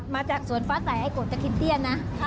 มาจากสวนฟ้าใส่ไอ้โกนตะเคียนเตี้ยนะ